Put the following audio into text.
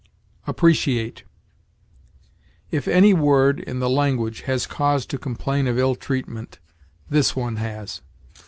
APPRECIATE. If any word in the language has cause to complain of ill treatment, this one has.